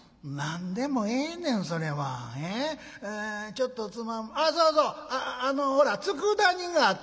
ちょっとつまむそうそうあのほらつくだ煮があったやろ。